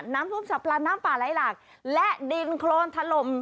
น้ำพุมสับลานน้ำป่าไล่หลักและดินโครนทะลม